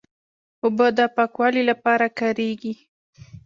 اوبه د پاکوالي لپاره کارېږي.